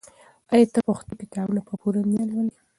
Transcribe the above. آیا ته پښتو کتابونه په پوره مینه لولې؟